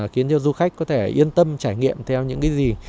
khiến cho du khách có thể yên tâm trải nghiệm theo những cái gì